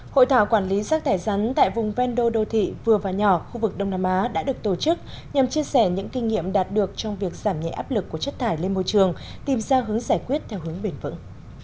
hội thảo quản lý rác thải rắn tại vùng vendo đô thị vừa và nhỏ khu vực đông nam á đã được tổ chức nhằm chia sẻ những kinh nghiệm đạt được trong việc giảm nhẹ áp lực của chất thải lên môi trường tìm ra hướng giải quyết theo hướng bền vững